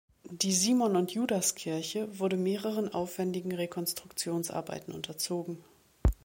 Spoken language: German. Die "Simon-und-Judas-Kirche" wurde mehreren aufwendigen Rekonstruktionsarbeiten unterzogen.